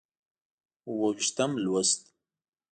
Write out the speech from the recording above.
اووه ویشتم لوست